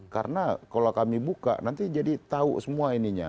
karena kalau kami buka nanti jadi tahu semua ininya